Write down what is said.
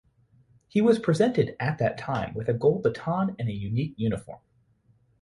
He was presented at that time with a gold baton and a unique uniform.